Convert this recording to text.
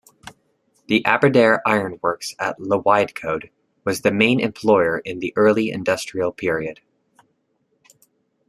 The Aberdare Ironworks at Llwydcoed was the main employer in the early industrial period.